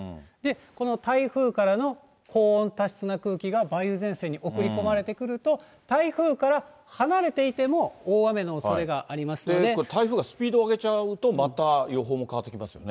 この台風からの高温多湿な空気が梅雨前線に送り込まれてくると、台風から離れていても、っていうか台風がスピードを上げちゃうと、また予報も変わってきますよね。